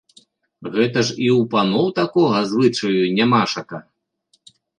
Гэта ж і ў паноў такога звычаю нямашака!